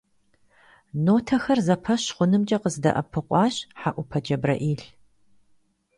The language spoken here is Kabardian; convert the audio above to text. Нотэхэр зэпэщ хъунымкӀэ къыздэӀэпыкъуащ ХьэӀупэ ДжэбрэӀил.